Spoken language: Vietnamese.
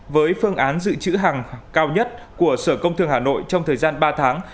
với phương án dự trữ hàng cao nhất của sở công thương hà nội trong thời gian ba tháng